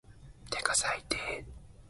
てか最低